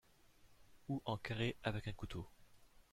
ou en carrés avec un couteau